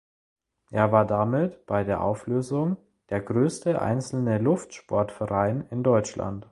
Er war damit bei der Auflösung der größte einzelne Luftsportverein in Deutschland.